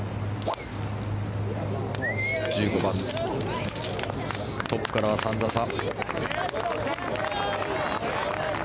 １５番、トップからは３打差。